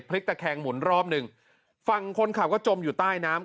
ตะแคงหมุนรอบหนึ่งฝั่งคนขับก็จมอยู่ใต้น้ำ